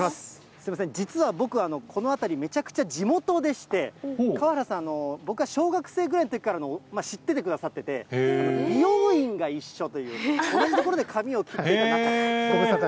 すみません、実は僕はこの辺り、めちゃくちゃ地元でして、河原さん、僕が小学生ぐらいのときからの、知っててくださってて、美容院が一緒という、同じところで髪を切っている仲と。